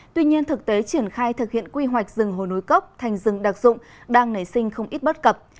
tuy nhiên thực tế triển khai thực hiện quy hoạch rừng hồ nối cốc thành rừng đặc dụng đang nảy sinh không ít bất cập